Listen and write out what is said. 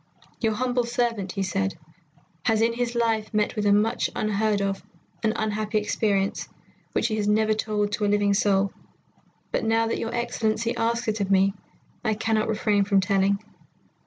"Your humble servant," he said, "has in his life met with much unheard of and unhappy experience, which he has never told to a living soul, but now that your Excellency asks it of me, I cannot refrain from telling.